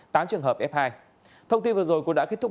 tám trường hợp f hai thông tin vừa rồi cũng đã kết thúc